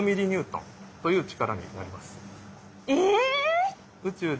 え！